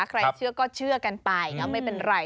ใครเชื่อก็เชื่อกันไปก็ไม่เป็นไร